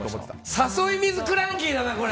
誘い水クランキーだな、これ。